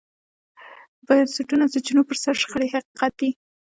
د بنسټونو او سرچینو پر سر شخړې حقیقت دی.